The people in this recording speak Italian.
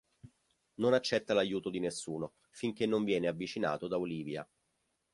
Non accetta l'aiuto di nessuno finché non viene avvicinato da Olivia.